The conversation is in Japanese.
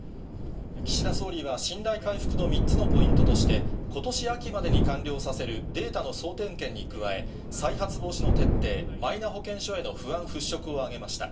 岸田総理は信頼回復の３つのポイントとして、ことし秋までに完了させるデータの総点検に加え、再発防止の徹底、マイナ保険証への不安払拭を挙げました。